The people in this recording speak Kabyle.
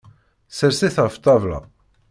Sers-it ɣef ṭṭabla.